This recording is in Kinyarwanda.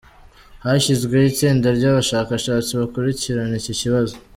Hashyizweho itsinda ry’abashakashatsi bakurikirana iki kibazo.